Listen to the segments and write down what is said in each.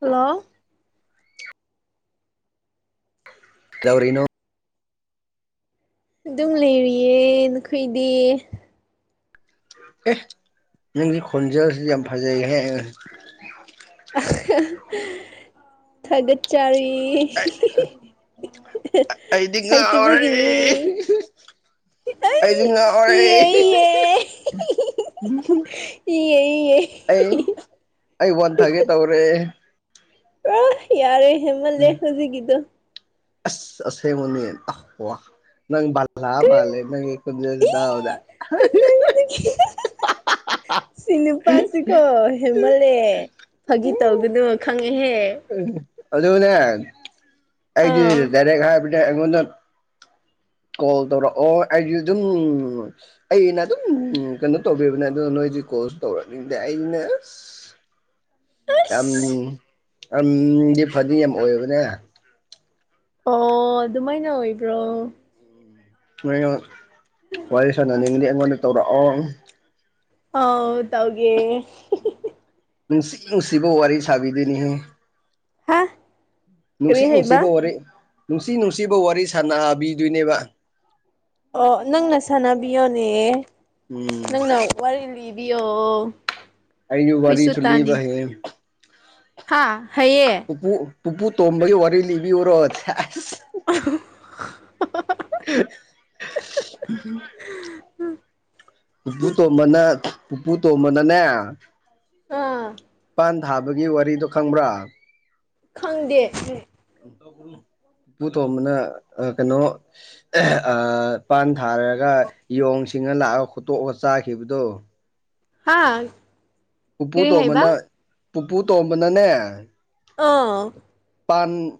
Hello ꯀꯩꯗꯧꯔꯤꯅꯣ ꯑꯗꯨꯝ ꯂꯩꯔꯤꯌꯦ ꯅꯈꯣꯏꯗꯤ ꯑꯦ ꯅꯪꯒꯤ ꯈꯣꯟꯖꯦꯜꯁꯤꯗꯤ ꯌꯥꯝ ꯐꯖꯩꯍꯦ ꯊꯒꯠꯆꯔꯤ ꯑꯩꯗꯤ ꯉꯥꯎꯔꯦ ꯍꯩꯇꯕꯒꯤꯅꯤ ꯑꯩ ꯑꯩꯗꯤ ꯉꯥꯎꯔꯦ ꯏꯌꯦ ꯏꯌꯦ ꯏꯌꯦ ꯏꯌꯦ ꯑꯩ ꯑꯩ ꯋꯥꯟꯊꯒꯦ ꯇꯧꯔꯦ ꯑ ꯌꯥꯔꯦ ꯍꯦꯟꯃꯜꯂꯦ ꯎꯝ ꯍꯧꯖꯤꯛꯀꯤꯗꯣ ꯑꯁ ꯑꯁꯦꯕꯅꯤ ꯅꯪ ꯂꯥꯛꯑ ꯃꯥꯜꯂꯦ ꯅꯪꯒꯤ ꯈꯣꯟꯖꯦꯜ ꯏ ꯇꯥꯕꯗ ꯀꯗꯥꯏꯗꯒꯤ ꯁꯤ ꯅꯤꯄꯥꯁꯤ ꯀꯣ ꯃꯜꯂꯦ ꯐꯥꯒꯤ ꯇꯧꯒꯅꯣ ꯈꯪꯉꯦꯍꯦ ꯎ ꯑꯗꯨꯅꯦ ꯑꯩ ꯑꯥ ꯗꯥꯏꯔꯦꯛ ꯍꯥꯏꯕꯅꯦ ꯑꯩꯉꯣꯟꯗ ꯀꯣꯜ ꯇꯧꯔꯛꯑꯣ ꯑꯩꯁꯨ ꯑꯗꯨꯝ ꯑꯩꯅ ꯑꯗꯨꯝ ꯀꯩꯅꯣ ꯇꯧꯕꯤꯕꯅꯦ ꯑꯗꯣ ꯅꯣꯏꯗꯤ ꯀꯣꯜꯁꯨ ꯇꯧꯔꯛꯅꯤꯡꯗꯦ ꯑꯩꯅ ꯌꯥꯝ ꯑꯁ ꯌꯥꯝꯗꯤ ꯐꯅꯤ ꯌꯥꯝ ꯑꯣꯏꯕꯅꯦ ꯑꯣ ꯑꯗꯨꯃꯥꯏꯅ ꯑꯣꯏꯕ꯭ꯔꯣ ꯅꯣꯏꯅ ꯋꯥꯔꯤ ꯁꯥꯟꯅꯅꯤꯡꯉꯗꯤ ꯑꯩꯉꯣꯟꯗ ꯇꯧꯔꯛꯑꯣ ꯑ ꯍꯇꯧꯒꯦ ꯅꯨꯡꯁꯤ ꯅꯨꯡꯁꯤꯕ ꯋꯥꯔꯤ ꯁꯥꯕꯤꯗꯣꯏꯅꯤꯍꯦ ꯍꯥꯥ ꯅꯨꯡꯁꯤ ꯅꯨꯡꯁꯤꯕ ꯋꯥꯔꯤ ꯅꯨꯡꯁꯤ ꯅꯨꯡꯁꯤꯕ ꯋꯥꯔꯤ ꯁꯥꯟꯅꯕꯤꯗꯣꯏꯅꯦꯕ ꯑꯣ ꯅꯪꯅ ꯁꯅꯥꯕꯤꯌꯣꯅꯦ ꯎꯝ ꯅꯪꯅ ꯋꯥꯔꯤ ꯂꯤꯕꯤꯌꯣ ꯑꯩꯖꯨ ꯋꯥꯔꯤꯁꯨ ꯂꯤꯕ ꯍꯩꯌꯦ ꯍꯥꯥ ꯍꯩꯌꯦ ꯄꯨꯄꯨ ꯄꯨꯄꯨ ꯇꯣꯝꯕꯒꯤ ꯋꯥꯔꯤ ꯂꯤꯕꯤꯌꯨꯔꯣ ꯑꯁ [unintelligible] ꯎꯝ ꯄꯨꯄꯨ ꯇꯣ‌ꯝꯕꯅ ꯄꯨꯄꯨ ꯇꯣꯝꯕꯅꯅꯦ ꯑꯥ ꯄꯥꯟ ꯊꯥꯕꯒꯤ ꯋꯥꯔꯤꯗꯣ ꯈꯪꯕ꯭ꯔꯥ ꯈꯪꯗꯦ ꯄꯨꯄꯨ ꯇꯣꯝꯕꯅ ꯀꯩꯅꯣ ꯑ ꯄꯥꯟ ꯊꯥꯔꯒ ꯌꯣꯡ ꯁꯤꯡꯅ ꯂꯥꯛꯑꯒ ꯈꯣꯠꯇꯣꯛꯑ ꯆꯥꯈꯤꯕꯗꯣ ꯍꯥꯥ ꯄꯨꯄꯨ ꯇꯣꯝꯕꯅ ꯄꯨꯄꯨ ꯇꯣꯝꯕꯅꯅꯦ ꯑꯥ ꯄꯥꯟ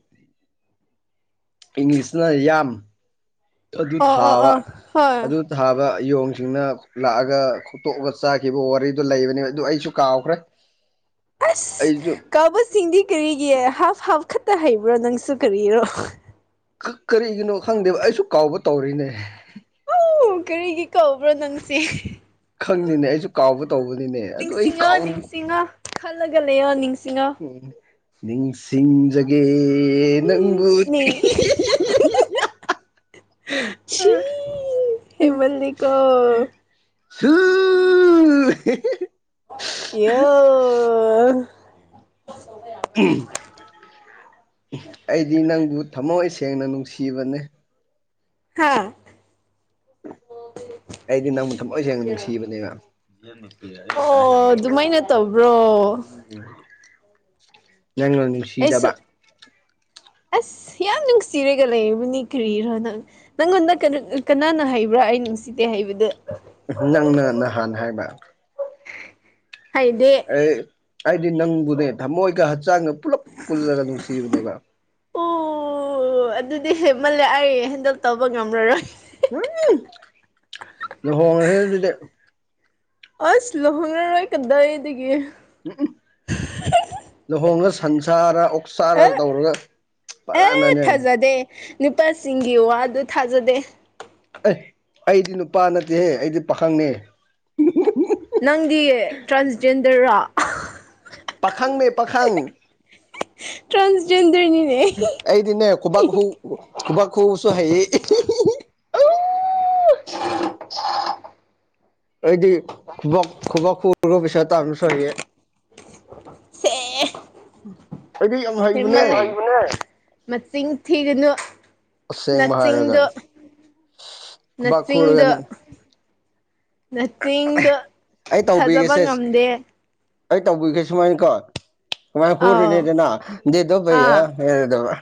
ꯏꯪꯂꯤꯁꯅ ꯌꯥꯝ ꯑꯗꯨ ꯑꯣ ꯑꯣ ꯊꯥꯕ ꯑꯣ ꯍꯣꯏ ꯑꯗꯨ ꯊꯥꯕ ꯌꯣꯡꯁꯤꯡꯅ ꯂꯥꯛꯑꯒ ꯐꯠꯇꯣꯛꯑꯒ ꯆꯥꯈꯤꯕ ꯋꯥꯔꯤꯗꯣ ꯂꯩꯕꯅꯦ ꯑꯗꯨ ꯑꯩꯁꯨ ꯀꯥꯎꯈ꯭ꯔꯦ ꯑꯁ ꯑꯩꯁꯨ ꯀꯥꯎꯕꯁꯤꯡꯗꯤ ꯀꯔꯤꯒꯤ ꯍꯥꯞ ꯍꯥꯞ ꯈꯛꯇ ꯍꯩꯕ꯭ꯔꯣ ꯅꯪꯁꯨ ꯀꯔꯤꯔꯣ ꯀꯔꯤꯒꯤꯅꯣ ꯈꯪꯗꯦꯕ ꯑꯩꯁꯨ ꯀꯥꯎꯕ ꯇꯧꯔꯤꯅꯦ ꯑꯧ ꯀꯔꯤꯒꯤ ꯀꯧꯕ꯭ꯔꯣ ꯅꯪꯁꯦ ꯈꯪꯗꯦꯅꯦ ꯑꯩꯁꯨ ꯀꯥꯎꯕ ꯇꯧꯕꯅꯤꯅꯦ ꯑꯗꯨ ꯑꯩ ꯅꯤꯡꯁꯤꯡꯉ ꯀꯥꯎ ꯅꯤꯡꯁꯤꯡꯉ ꯈꯜꯂꯒ ꯂꯩꯔꯣ ꯅꯤꯡꯁꯤꯡꯉ ꯎ ꯁꯤꯁꯤꯡ ꯑꯦ ꯅꯪꯒꯨ ꯍꯤ ꯅꯤ ꯍꯤ ꯍꯤ ꯁꯤ ꯍꯦ ꯃꯜꯂꯤꯀ ꯍ ꯑꯦ ꯑꯩꯗꯤ ꯅꯪꯕꯨ ꯊꯃꯣꯏ ꯁꯦꯡꯅ ꯅꯨꯡꯁꯤꯕꯅꯦ ꯍꯥꯥ ꯑꯩꯗꯤ ꯅꯪꯕꯨꯣꯟ ꯊ ꯂꯣꯏ ꯁꯦꯡꯅ ꯅꯨꯡꯁꯤꯕꯅꯦꯅ ꯌꯦꯅꯤꯄꯤ ꯌꯥ ꯑꯣ ꯑꯗꯨꯃꯥꯏꯅ ꯇꯧꯕ꯭ꯔꯣ ꯌꯥꯂꯔꯅꯤ ꯑꯩꯁꯨ [inaudible] ꯑꯁ ꯌꯥꯝ ꯅꯨꯡꯁꯤꯔꯒ ꯂꯩꯅꯤ ꯀꯔꯤꯔꯣ ꯅꯪ ꯅꯪꯉꯣꯟꯗ ꯀꯅꯥꯅ ꯍꯩꯕ꯭ꯔꯥ ꯑꯩ ꯅꯨꯡꯁꯤꯠꯇꯦ ꯍꯩꯕꯗ ꯎ ꯅꯪꯅ ꯅꯍꯥꯟ ꯍꯥꯏꯕ ꯍꯥꯏꯗꯦ ꯑꯦ ꯑꯩꯗꯤ ꯅꯪꯕꯨꯅꯦ ꯊꯃꯣꯏꯒ ꯍꯛꯆꯥꯡꯒ ꯄꯨꯜꯂꯞ ꯄꯨꯜꯂꯒ ꯅꯨꯡꯁꯤꯕꯅꯦꯕ ꯑꯣ ꯑꯗꯨꯗꯤ ꯍꯦꯃꯜꯂꯦ ꯑꯩ ꯍꯦꯟꯗꯜ ꯇꯧꯕ ꯉꯝꯂꯔꯣꯏ ꯎꯝ ꯍꯣꯡꯁꯦ ꯑꯗꯨꯗꯤ ꯑꯁ ꯂꯨꯍꯣꯡꯅꯔꯣꯏ ꯀꯗꯥꯏꯒꯦ ꯎ ꯂꯨꯍꯣꯡꯉ ꯁꯪꯁꯥꯔ ꯑꯦ ꯆꯥꯔꯒ ꯇꯧꯔꯒ ꯑꯦ ꯐꯖꯅꯅꯦ ꯊꯥꯖꯗꯦ ꯅꯨꯄꯥꯁꯤꯡꯒꯤ ꯋꯥꯗꯨ ꯊꯥꯖꯗꯦ ꯑꯦ ꯑꯩꯗꯤ ꯅꯨꯄꯥ ꯅꯠꯇꯦꯍꯦ ꯑꯩꯗꯤ ꯄꯥꯈꯪꯅꯦ ꯅꯪꯗꯤ ꯇ꯭ꯔꯥꯟꯖꯦꯟꯗꯔꯔ ꯄꯥꯈꯪ ꯃ ꯄꯥꯈꯪ ꯇ꯭ꯔꯥꯟꯁꯖꯦꯟꯗꯔꯅꯤꯅꯦ ꯑꯩꯗꯤꯅꯦ ꯀꯣꯕꯥꯥꯛ ꯍꯨ ꯀꯣꯕꯥꯥꯛ ꯍꯨꯁꯨ ꯍꯦ ꯑ [unintelligible] ꯑꯩꯗꯤꯨꯕ ꯈꯨꯨꯕꯣꯛ ꯈꯨꯔꯔꯕ ꯄꯁ ꯇꯥ ꯁꯔꯤꯌꯦ ꯍꯦ ꯑꯩꯗꯤ ꯌꯥꯝ ꯍꯦ ꯍꯩꯕꯅꯦ ꯃꯁꯤꯡ ꯊꯤꯗꯅꯨ ꯑꯁꯦꯡꯕ ꯍꯥꯏꯔꯒ ꯈꯨꯕꯥꯛ ꯅꯠꯇꯤꯡꯗ ꯈꯨꯔꯒꯅꯦ ꯅ ꯆꯤꯡꯗ ꯑꯩ ꯊꯥꯖꯕ ꯇꯧꯕꯤꯒꯦꯁꯦ ꯉꯝꯗꯦ ꯑꯩ ꯇꯧꯕꯤꯒꯦ ꯁꯨꯃꯥꯏꯅ ꯀꯣ ꯀꯨꯃꯥꯏꯅ ꯑꯥꯎ ꯍꯔꯤꯅꯦꯗꯅ ꯗꯦꯗꯕꯩ ꯍꯗꯕ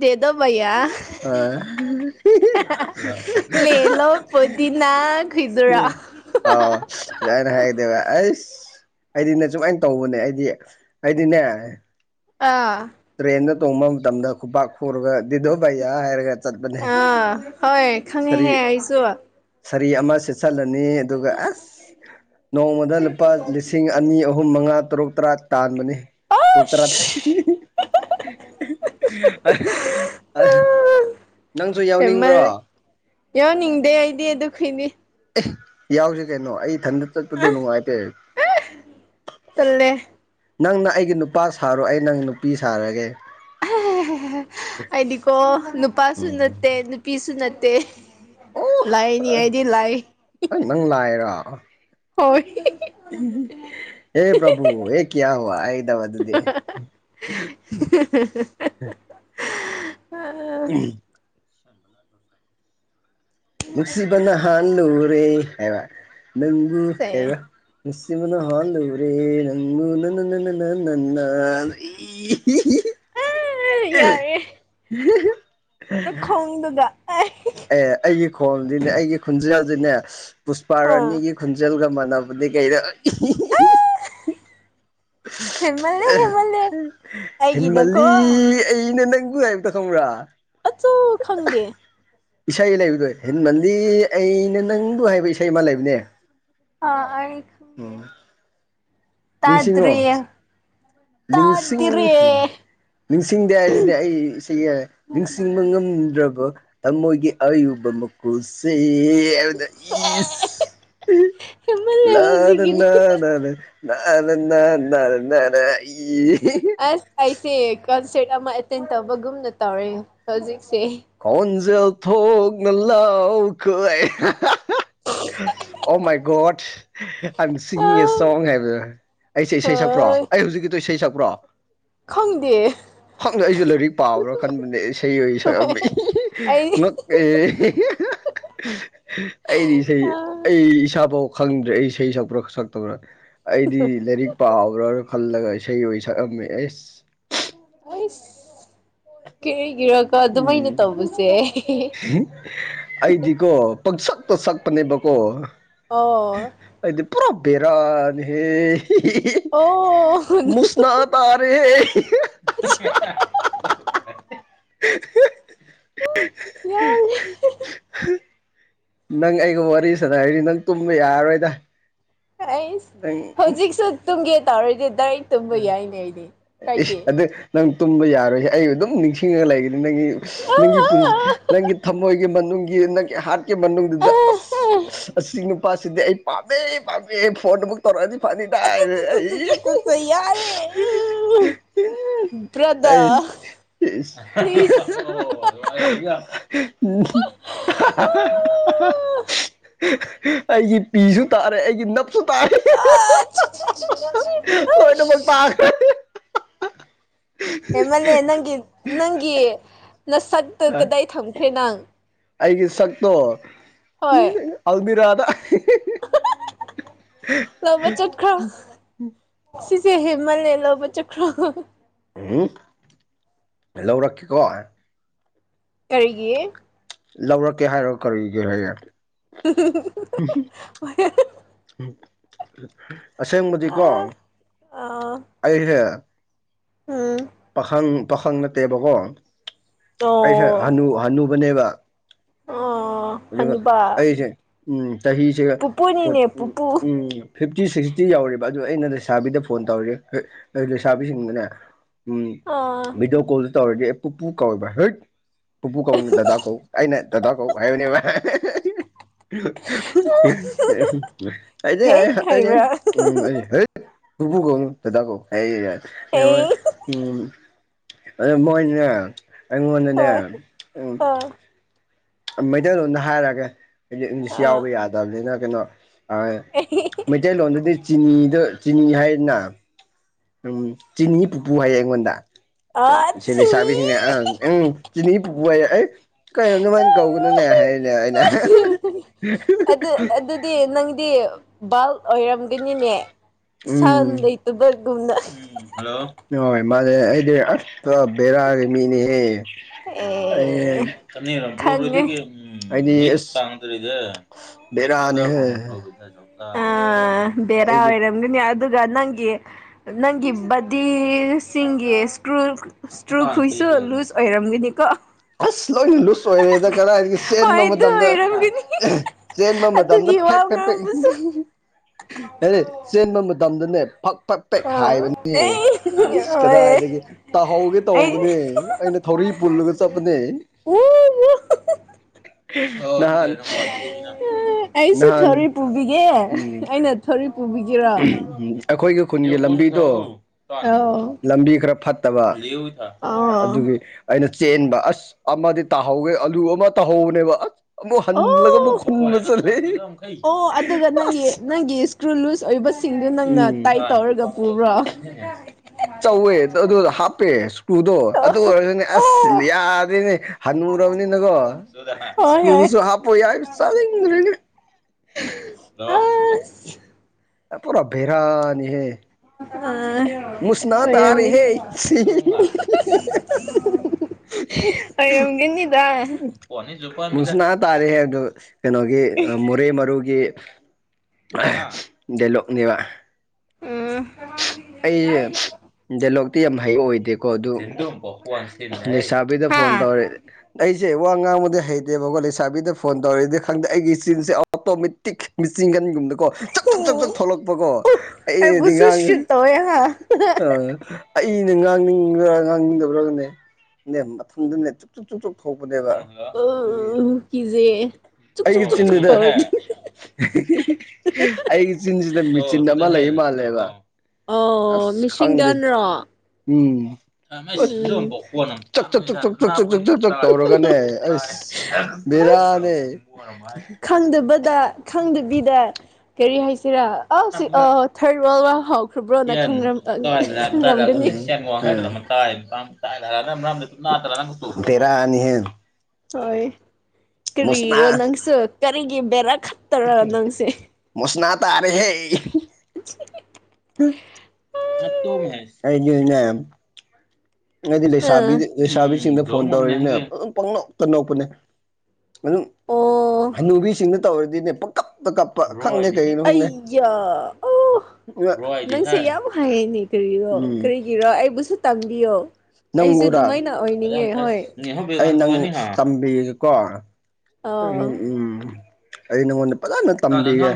ꯗꯦꯗꯧꯚꯩꯌꯥ ꯑ ꯂꯦꯂꯣ ꯄꯨꯗꯤꯅꯥ ꯈꯣꯏꯗꯨꯔꯥ ꯍ ꯑꯥꯎ ꯑꯗꯨ ꯑꯅ ꯍꯥꯏꯒꯗꯦꯕ ꯑꯩꯁ ꯑꯩꯗꯤꯅꯦ ꯁꯨꯃꯥꯏꯅ ꯇꯧꯕꯅꯦ ꯑꯩꯗꯤ ꯑꯩꯗꯤꯅꯦ ꯑꯥ ꯇ꯭ꯔꯦꯟꯗ ꯇꯣꯡꯕ ꯃꯇꯝꯗ ꯈꯨꯄꯥꯛ ꯈꯨꯔꯒ ꯗꯤꯗꯣ ꯚꯩꯌꯥ ꯍꯥꯏꯔꯒ ꯆꯠꯄꯅꯦ ꯑꯥ ꯍꯣꯏ ꯁꯥꯔꯤ ꯈꯪꯉꯦꯍꯦ ꯑꯩꯁꯨ ꯁꯥꯔꯤ ꯑꯃ ꯁꯤꯠꯆꯜꯂꯅꯤ ꯑꯗꯨꯒ ꯑꯁ ꯅꯣꯡꯃꯗ ꯂꯨꯄꯥ ꯂꯤꯁꯤꯡ ꯑꯅꯤ ꯑꯍꯨꯝ ꯑꯍꯨꯝ ꯃꯉꯥ ꯇꯔꯨꯛ ꯇꯔꯥ ꯇꯥꯟꯕꯅꯤ ꯇꯔꯨꯛ ꯇꯔꯥ ꯅꯪꯁꯨ ꯌꯥꯎꯅꯤꯡꯕ꯭ꯔꯣ ꯍꯦꯟꯃꯜꯂꯦ ꯌꯥꯎꯅꯤꯡꯗꯦ ꯑꯩꯗꯤ ꯑꯗꯨ ꯈꯨꯏꯅꯤ ꯑꯦ ꯌꯥꯎꯁꯤ ꯀꯩꯅꯣ ꯑꯩ ꯏꯊꯟꯗ ꯆꯠꯄꯥꯗꯣ ꯑ ꯅꯨꯡꯉꯥꯏꯇꯦ ꯇꯜꯂꯦ ꯅꯪꯅ ꯑꯩꯒꯤ ꯅꯨꯄꯥ ꯁꯥꯔꯣ ꯑꯩ ꯅꯪ ꯅꯨꯄꯤ ꯁꯥꯔꯒꯦ ꯑꯩꯗꯤꯀꯣ ꯅꯨꯄꯥꯁꯨ ꯅꯠꯇꯦ ꯅꯨꯄꯤꯁꯨ ꯅꯠꯇꯦ ꯑꯣ ꯂꯥꯏꯅꯤ ꯑꯩꯗꯤ ꯂꯥꯏ ꯅꯪ ꯍꯣꯏ ꯑꯦ ꯄ꯭ꯔꯚꯨ ꯑꯦ ꯀꯌꯥ ꯍꯨꯋꯥ ꯍꯥꯏꯗꯕꯥ ꯑꯗꯨꯗꯤ [inaudible] ꯎꯝ [unintelligible] ꯅꯨꯡꯁꯤꯕꯅ ꯍꯥꯜ ꯂꯨꯨꯔꯦ ꯍꯥꯏꯕ ꯅꯪꯕꯨ ꯁꯦ ꯀꯩ ꯍꯥꯏꯕ ꯅꯨꯡꯁꯤꯕꯅ ꯍꯥꯜꯂꯨꯔꯦ ꯅꯪꯕꯨ ꯅ ꯅ ꯅ ꯅ ꯅ ꯅ ꯅ ꯂꯩ ꯏꯍꯤ ꯍꯤ ꯍꯤ ꯍꯤ ꯅꯈꯣꯡꯗꯨꯗ ꯑꯩ ꯑꯦ ꯑꯩꯒꯤ ꯈꯣꯟꯁꯤꯅꯦ ꯑꯩꯒꯤ ꯈꯣꯟꯖꯦꯜꯁꯤꯅꯦ ꯑꯥ ꯄꯨꯁꯄꯥꯔꯥꯅꯤꯒꯤ ꯈꯣꯟꯖꯦꯜꯒ ꯃꯥꯟꯅ ꯃꯥꯟꯅ ꯀꯩꯔ ꯏꯍꯤ ꯏꯍꯤ ꯍꯦꯟꯃꯜꯂꯦ ꯍꯦꯟꯃꯜꯂꯦ ꯑꯩꯒꯤꯅꯀꯣ ꯍꯦꯟꯃꯜꯂꯤ ꯑꯩꯅ ꯅꯪꯕꯨ ꯍꯥꯏꯕꯗꯣ ꯈꯪꯕꯔꯥ ꯆꯨ ꯈꯪꯗꯦ ꯏꯁꯩ ꯂꯩꯕꯗꯣ ꯍꯦꯟꯃꯜꯂꯤ ꯑꯩꯅ ꯅꯪꯕꯨ ꯍꯥꯏꯕ ꯏꯁꯩ ꯑꯃ ꯂꯩꯕꯅꯦ ꯑꯥ ꯑꯩ ꯈ ꯎꯝ ꯅꯤꯡꯁꯤꯡꯉꯣ ꯇꯥꯗꯔꯦ ꯅꯤꯡꯁꯤꯡ ꯇꯥꯗꯤꯔꯦ ꯅꯤꯡꯁꯤꯡꯗꯦ ꯍꯥꯏꯔꯗꯤ ꯑꯩ ꯏꯁꯩꯒꯤ ꯍꯥꯏ ꯅꯤꯡꯁꯤꯡꯕ ꯉꯝꯗ꯭ꯔꯕ ꯊꯥꯃꯣꯏꯒꯤ ꯑꯌꯨꯕ ꯃꯈꯨꯜꯁꯦꯌꯦ ꯅꯪꯅ ꯏꯁ ꯍꯦꯟꯃꯜꯂꯦ ꯂꯥꯅ ꯍꯧꯖꯤꯛꯀꯤꯗꯤ ꯅ ꯅ ꯅ [unintelligible] ꯑꯁ ꯑꯩꯁꯦ ꯀꯟꯁꯔꯠ ꯑꯃ ꯑꯦꯇꯦꯟ ꯇꯧꯕꯒꯨꯝꯅ ꯇꯧꯔꯦ ꯍꯧꯖꯤꯛꯁꯦ ꯈꯣꯟꯖꯦꯜ ꯊꯣꯛꯅ ꯂꯥꯎꯈꯣ ꯑꯣ ꯃꯥꯏ ꯒꯣꯠ ꯑꯥꯝ ꯁꯤꯒꯤꯡ ꯑꯦ ꯑꯥ ꯁꯣꯡ ꯍꯥꯏꯕ ꯑꯩꯁꯦ ꯏꯁꯩ ꯁꯛꯄ꯭ꯔꯣ ꯍꯣꯏ ꯑꯩ ꯍꯧꯖꯤꯛꯀꯤꯗꯨ ꯏꯁꯩ ꯁꯛꯄ꯭ꯔꯣ ꯈꯪꯗꯦ ꯈꯪꯗꯦ ꯑꯩꯁꯨ ꯂꯥꯏꯔꯤꯛ ꯄꯥꯕ꯭ꯔꯥ ꯈꯟꯕꯅꯦ ꯏꯁꯩ ꯑꯣꯏ ꯁꯛꯑꯝꯃꯦ ꯑꯩ ꯑꯦ ꯍꯤ ꯍꯤ ꯍꯥ ꯍꯥ ꯑꯩꯗꯤ ꯏꯁꯩ ꯑꯥ ꯑꯩ ꯏꯁꯥꯐꯥꯎ ꯈꯪꯗ꯭ꯔꯦ ꯑꯩ ꯏꯁꯩ ꯁꯛꯄ꯭ꯔꯥ ꯁꯛꯇꯕ꯭ꯔꯥ ꯑꯩꯗꯤ ꯂꯥꯏꯔꯤꯛ ꯄꯥꯕ꯭ꯔꯥꯅ ꯈꯜꯂꯒ ꯏꯁꯩ ꯑꯣꯏꯅ ꯁꯛꯑꯝꯃꯦ ꯑꯦꯁ ꯑꯁ ꯀꯤꯔꯤꯒꯤꯔꯀꯣ ꯑꯗꯨꯃꯥꯏꯅ ꯎꯝ ꯇꯧꯕꯁꯦ ꯑꯩꯗꯤꯀꯣ ꯄꯪꯁꯛꯇ ꯁꯛꯄꯅꯦꯕꯀꯣ ꯑꯣ ꯑꯩꯗꯤ ꯄꯨꯔꯥ ꯕꯦꯔꯅꯤ ꯍꯦ ꯑꯣ ꯃꯨꯁꯅꯥ ꯇꯥꯔꯦꯍꯦ ꯌꯥ [unintelligible] ꯅꯪ ꯑꯩꯒ ꯋꯥꯔꯤ ꯁꯥꯟꯅꯔꯗꯤ ꯅꯪ ꯇꯨꯝꯕ ꯌꯥꯔꯔꯣꯏꯗ ꯑꯩꯁ ꯅꯪ ꯍꯧꯖꯤꯛꯁꯨ ꯇꯨꯝꯒꯦ ꯇꯧꯔꯒ ꯗꯥꯏꯔꯦꯛ ꯇꯨꯝꯕ ꯌꯥꯏꯅꯦ ꯑꯩꯗꯤ ꯏꯁ ꯀꯥꯏꯗꯦ ꯑꯗꯨ ꯅꯪ ꯇꯨꯝꯕ ꯌꯥꯔꯣꯏꯍꯦ ꯑꯩ ꯑꯗꯨꯝ ꯅꯤꯡꯁꯤꯡ ꯊꯤꯡꯉ ꯂꯩꯒꯅꯤ ꯅꯪꯒꯤ ꯅꯪꯒꯤ ꯄꯨꯟ ꯅꯪꯒꯤ ꯊꯃꯣꯏꯒꯤ ꯃꯅꯨꯡꯒꯤ ꯅꯪꯒꯤ ꯍꯥꯔꯠ ꯀꯤ ꯃꯅꯨꯡꯗꯨꯗ ꯑꯁ ꯑꯁꯤ ꯅꯨꯄꯥꯁꯤꯗꯤ ꯑꯩ ꯄꯥꯝꯃꯦ ꯄꯥꯝꯃꯦ ꯐꯣꯟ ꯑꯃꯨꯛ ꯇꯧꯔꯑꯗꯤ ꯐꯅꯤꯗ ꯍꯥꯏꯅꯥ ꯏ ꯍꯤ ꯍꯤ ꯎꯝ ꯄꯔ꯭ꯗꯥ [unintelligible] [unintelligible] ꯑꯩꯒꯤ ꯄꯤꯁꯨ ꯇꯥꯔꯦ ꯑꯩꯒꯤ ꯅꯞꯁꯨ ꯇꯥꯔꯦ [unintelligible] ꯂꯣꯢꯅꯃꯛ ꯇꯥꯈ꯭ꯔꯦ ꯍꯦꯟꯃꯜꯂꯦ ꯅꯪꯒꯤ ꯅꯪꯒꯤ ꯅꯁꯛꯇꯨ ꯀꯗꯥꯏ ꯊꯝꯈ꯭ꯔꯦ ꯅꯪ꯫ ꯑꯩꯒꯤ ꯁꯛꯇꯣ ꯍꯣꯏ ꯑꯜꯃꯤꯔꯥꯗ ꯂꯧꯕ ꯆꯠꯈ꯭ꯔꯣ ꯁꯤ ꯁꯤ ꯍꯦꯃꯜꯂꯦ ꯂꯧꯕ ꯆꯈ꯭ꯔꯣ꯫ ꯎꯝ ꯂꯧꯔꯛꯀꯦꯀꯣ ꯀꯩꯒꯤ ꯂꯧꯔꯛꯀꯦ ꯍꯥꯏꯔꯒ ꯀꯔꯤꯒꯤ ꯍꯥꯏꯌꯦ [unintelligible] ꯑꯁꯦꯡꯕꯗꯤꯀꯣ ꯑꯥ ꯑꯩꯁꯦ ꯎꯝ ꯄꯥꯈꯪ ꯄꯥꯈꯪ ꯅꯠꯇꯦꯕꯀꯣ ꯑꯩꯁꯦ ꯑꯣ ꯍꯅꯨ ꯍꯅꯨꯕꯅꯦꯕ ꯑꯣ ꯑꯗꯨ ꯍꯅꯨꯕꯥ ꯑꯩꯁꯦ ꯎꯝ ꯆꯍꯤꯁꯦ ꯐꯣ ꯄꯨꯄꯨꯅꯤꯅꯦ ꯎꯝ ꯄꯨꯄꯨ ꯎꯝ ꯐꯤꯐꯇꯤ ꯁꯤꯛꯁꯇꯤ ꯌꯧꯔꯦꯕ ꯑꯗꯨ ꯑꯩꯅ ꯂꯩꯁꯥꯕꯤꯗ ꯐꯣꯟ ꯇꯧꯔꯦ ꯂꯩꯁꯥꯕꯤꯁꯤꯡꯗꯨꯅꯦ ꯎꯝ ꯑꯥ ꯚꯤꯗꯤꯑꯣ ꯀꯣꯜꯗ ꯇꯧꯔꯗꯤ ꯑꯦ ꯄꯨꯄꯨ ꯀꯧꯋꯦꯕ ꯍꯩꯇ ꯄꯨꯄꯨ ꯀꯧꯅꯨ ꯗꯗꯥ ꯀꯧ ꯑꯩꯅ ꯗꯗꯥ ꯀꯧ ꯍꯥꯏꯕꯅꯦꯕ ꯑꯩꯗꯤ ꯍꯦꯛ ꯍꯩꯕ꯭ꯔꯥ [unintelligible] ꯎꯝ ꯑꯩ ꯍꯩꯇ ꯄꯨꯄꯨ ꯀꯧꯅꯨ ꯗꯗꯥ ꯀꯧ ꯍꯥꯏꯌꯦꯒ ꯍꯦ [unintelligible] ꯑꯗꯨ ꯃꯣꯏꯗꯤꯅꯦ ꯑꯩꯉꯣꯟꯗꯅꯦ ꯍꯣꯏ ꯎꯝ ꯑꯥ ꯃꯩꯇꯩꯂꯣꯟꯗ ꯍꯥꯏꯔꯒꯦ ꯑꯩꯗꯤ ꯏꯪꯂꯤꯁ ꯑꯥ ꯌꯥꯎꯕ ꯌꯥꯗꯕꯅꯤꯅ ꯀꯩꯅꯣ ꯃꯩꯇꯩꯂꯣꯟꯗꯗꯤ ꯆꯤꯅꯤꯗꯨ ꯆꯤꯅꯤ ꯍꯥꯏꯗꯅ ꯎꯝ ꯆꯤꯅꯤ ꯄꯨꯄꯨ ꯍꯥꯏꯌꯦ ꯑꯩꯉꯣꯟꯗ ꯑꯥ ꯁꯦ ꯊꯤ ꯂꯩꯁꯥꯕꯤ ꯁꯤꯡꯅ ꯑ ꯑꯪ ꯎꯪ ꯆꯤꯅꯤ ꯄꯨꯄꯨ ꯍꯥꯢ ꯑꯩ ꯀꯩꯅꯣ ꯑꯗꯨꯃꯥꯏꯅ ꯀꯧꯒꯅꯨꯅꯦ ꯍꯥꯏꯕꯅꯦꯕ ꯑꯩꯅ ꯑꯗꯨ ꯑꯗꯨꯗꯤ ꯅꯪꯗꯤ ꯕꯥꯜ ꯑꯣꯏꯔꯝꯒꯅꯤꯅꯦ ꯁꯟ ꯎꯝ ꯂꯩꯇꯕꯒꯨꯝꯅ ꯎꯝ ꯍꯜꯂꯣ ꯍꯣꯏ ꯃꯥꯅꯦ ꯑꯩꯗꯤ ꯑꯁ [unintelligible] ꯕꯦꯔꯥꯒꯤ ꯃꯤꯅꯤꯍꯦ [unintelligible] ꯎꯝ ꯑꯦ ꯈꯪꯉꯦ ꯑꯩꯗꯤ [unintelligible] ꯕꯦꯔꯥꯅꯤꯍꯦ ꯑ ꯕꯦꯔꯥ ꯑꯣꯏꯔꯝ ꯈꯪꯒꯅꯤ ꯑꯗꯨꯒ ꯅꯪꯒꯤ ꯅꯪꯒꯤ ꯕꯗꯤꯁꯤꯡꯒꯤ ꯏꯁꯀ꯭ꯔꯨꯜ ꯏꯁꯀ꯭ꯔꯨ ꯈꯨꯏꯁꯨ ꯂꯨꯁ ꯑꯣꯏꯔꯝꯒꯅꯤꯀꯣ ꯑꯁ ꯂꯣꯏꯅ ꯂꯨꯁ ꯑꯣꯏꯔꯦꯗ ꯀꯗꯥꯏꯗꯒꯤ ꯍꯣꯏ ꯆꯦꯟꯕ ꯑꯗꯨ ꯃꯇꯝꯗ ꯑꯣꯏꯔꯝꯒꯅꯤ ꯆꯦꯟꯕ ꯃꯇꯝꯗ ꯑꯗꯨꯒꯤ ꯋꯥ ꯐꯦꯛꯇ ꯄꯦꯛꯅꯤ ꯉꯥꯡꯕꯁꯨ ꯑꯔꯦ ꯆꯦꯟꯕ ꯃꯇꯝꯗꯅꯦ ꯄꯛ ꯄꯛ ꯄꯦꯛ ꯑꯥ ꯍꯥꯏꯕꯅꯦ ꯑꯩ ꯑꯁ ꯍꯣꯏ ꯀꯗꯥꯏꯗꯒꯤ ꯇꯥꯍꯧꯒꯦ ꯑꯩ ꯇꯧꯕꯅꯦ ꯑꯩꯅ ꯊꯧꯔꯤ ꯄꯨꯜꯂꯒ ꯆꯠꯄꯅꯦ ꯎ ꯅꯍꯥꯟ [unintelligible] ꯑꯩꯁꯨ ꯅꯍꯥꯟ ꯊꯧꯔꯤ ꯄꯨꯕꯤꯒꯦ ꯑꯩꯅ ꯊꯧꯔꯤ ꯄꯨꯕꯤꯒꯦ ꯑꯈꯣꯏꯒꯤ ꯈꯨꯟꯒꯤ ꯂꯝꯕꯤꯗꯣ ꯑꯧ [unintelligible] ꯂꯝꯕꯤ ꯈꯔ ꯐꯠꯇꯕ ꯑꯣ ꯑꯗꯨꯒꯤ ꯑꯩꯅ ꯆꯦꯟꯕ ꯑꯁ ꯑꯃꯗꯤ ꯇꯥꯍꯧꯒꯦ ꯑꯂꯨ ꯑꯃ ꯇꯥꯍꯧꯕꯅꯦꯕ ꯑꯁ ꯑꯃꯨꯛ ꯑꯣ ꯍꯜꯂꯒ ꯑꯃꯨꯛ ꯈꯨꯟꯕ ꯆꯠꯂꯦ ꯑꯣ ꯑꯗꯨꯒ ꯅꯪꯒꯤ ꯑꯁ ꯅꯪꯒꯤ ꯂꯨꯖ ꯑꯣꯏꯕꯁꯤꯡꯗꯨ ꯅꯪꯅ ꯎꯝ ꯇꯥꯏꯠ ꯇꯧꯔꯒ ꯄꯨꯕ꯭ꯔꯣ [unintelligible] ꯆꯧꯋꯦ ꯑꯗꯨ ꯍꯥꯞꯄꯦ ꯏꯁꯀ꯭ꯔꯨꯗꯣ ꯑꯗꯨ ꯑꯣꯏꯔꯒꯅꯦ ꯑꯁ ꯑꯣ ꯌꯥꯗꯦꯅꯦ ꯍꯟꯅꯨꯔꯕꯅꯤꯅꯀꯣ ꯍꯣꯏ ꯍꯣꯏ ꯏꯁꯀ꯭ꯔꯨꯗꯨꯁꯨ ꯑꯁ ꯍꯥꯞꯄ ꯌꯥꯏ [unintelligible] ꯍꯂꯣ ꯑꯦ ꯄꯨꯔꯥ ꯕꯦꯔꯥꯅꯤꯍꯦ ꯑ ꯃꯨꯁꯅꯥ ꯇꯥꯔꯦꯍꯦ ꯁꯤ ꯑꯣꯏꯔꯝꯒꯅꯤꯗ [unintelligible] ꯃꯨꯁꯅꯥ ꯇꯥꯔꯦꯍꯦ ꯑꯗꯨ ꯀꯩꯅꯣꯒꯤ ꯃꯣꯔꯦ ꯃꯔꯨꯒꯤ ꯗꯦꯂꯣꯛꯅꯦꯕ ꯎꯝ ꯑꯩꯖꯦ ꯗꯦꯂꯣꯛꯇꯤ ꯌꯥꯝ ꯍꯩꯕ ꯑꯣꯏꯗꯦꯀꯣ ꯑꯗꯨ ꯅꯤꯁꯥꯕꯤꯗ ꯍꯥ ꯐꯣꯟ ꯇꯧꯔꯦ ꯑꯩꯁꯦ ꯋꯥ ꯉꯥꯡꯕꯗꯤ ꯍꯩꯇꯦꯕꯀꯣ ꯂꯩꯁꯥꯕꯤꯗ ꯐꯣꯟ ꯇꯧꯔꯗꯤ ꯈꯪꯗꯦ ꯑꯩꯒꯤ ꯆꯤꯟꯁꯦ ꯑꯣꯇꯣꯃꯦꯇꯤꯛ ꯃꯤꯆꯤꯟꯒꯟꯒꯨꯝꯅꯀꯣ ꯆꯛ ꯆꯛ ꯆꯛ ꯆꯛ ꯊꯣꯛꯂꯛꯄꯀꯣ ꯑꯩ ꯗꯤ ꯑꯩꯕꯨꯁꯨ ꯁꯨꯠ ꯇꯧꯋꯦ ꯍꯥ ꯉꯥꯡꯉ ꯑ ꯑꯩꯅ ꯉꯥꯡꯅꯤꯡꯒ꯭ꯔ ꯉꯥꯡꯅꯤꯡꯗꯕ꯭ꯔ ꯈꯪꯗꯦ ꯅꯦ ꯃꯊꯟꯗꯅꯦ ꯆꯨꯛ ꯆꯨꯞ ꯆꯨꯛ ꯆꯨꯛ ꯊꯣꯛꯄꯅꯦꯕ ꯑꯗꯨꯒꯤ ꯑꯣ ꯀꯤꯖꯩ ꯑꯩꯒꯤ ꯆꯤꯟꯖꯤꯗ ꯑꯩꯒꯤ ꯆꯤꯟꯖꯤꯗ ꯃꯦꯆꯤꯟ ꯑꯃ ꯂꯩ ꯃꯥꯜꯂꯦꯕ ꯑꯣ ꯑꯁ ꯈꯪꯗꯦ ꯃꯤꯁꯤꯡꯒꯟꯔꯣ ꯎꯝ ꯑꯁ ꯎꯝ ꯆꯛ ꯆꯛ ꯆꯛ ꯆꯛ ꯆꯛ ꯆꯛ ꯆꯛ ꯆꯛ ꯆꯛ ꯇꯧꯔꯒꯅꯦ ꯑꯁ ꯑꯁ ꯕꯦꯔꯥꯅꯦ ꯈꯪꯗꯕꯗ ꯈꯪꯗꯕꯤꯗ ꯀꯔꯤ ꯍꯥꯏꯁꯤꯔꯥ ꯑꯥꯎꯁꯤ ꯑꯥ ꯊ꯭ꯔꯠ ꯋꯥꯔꯜ ꯋꯥꯔ ꯍꯥꯎꯈ꯭ꯔꯕ꯭ꯔꯣꯅ ꯈꯪꯔꯝ ꯑꯪ ꯈꯪꯔꯝꯒꯅꯤ ꯑ ꯕꯦꯔꯥꯅꯤꯍꯦ ꯍꯣꯏ ꯀꯔꯤꯔꯣ ꯃꯨꯁꯅꯥ ꯅꯪꯁꯨ ꯀꯔꯤꯒꯤ ꯕꯦꯔꯥ ꯈꯛꯇꯔ ꯅꯪꯁꯦ ꯃꯨꯁꯅꯥ ꯇꯥꯔꯦꯍꯦ [unintelligible] ꯑꯇꯣꯝ ꯍꯦ ꯑꯩ ꯌꯤꯅꯦꯝ ꯑꯩꯗꯤ ꯑ ꯂꯩꯁꯥꯕꯤꯗ ꯂꯩꯁꯥꯕꯤꯁꯤꯡꯗ ꯐꯣꯟ ꯇꯧꯔꯤꯅꯦ ꯑꯗꯨꯝ ꯄꯪꯅꯣꯛꯇ ꯅꯣꯛꯄꯅꯦ ꯑꯗꯨꯝ ꯑꯣ ꯍꯟꯅꯨꯕꯤꯁꯤꯡꯗ ꯇꯧꯔꯗꯤꯅꯦ ꯄꯪꯀꯞ ꯑꯩꯌꯥ ꯑꯣ ꯅꯪꯁꯦ ꯌꯥꯝ ꯍꯥꯏꯌꯦꯅꯦ ꯀꯔꯤꯔꯣ ꯎꯝ ꯀꯔꯤꯒꯤꯔꯣ ꯑꯩꯕꯨꯁꯨ ꯇꯝꯕꯤꯌꯣ ꯑꯩꯁꯨ ꯅꯪꯕꯨꯔꯥ ꯑꯗꯨꯃꯥꯏꯅ ꯑꯣꯏꯅꯤꯡꯉꯦ ꯍꯣꯏ ꯑꯩ ꯅꯪ ꯇꯝꯕꯤꯒꯦꯀꯣ ꯑꯥ ꯎꯝ ꯑꯩ ꯅꯪꯉꯣꯟꯗ ꯐꯖꯅ ꯇꯝꯕꯤꯒꯦ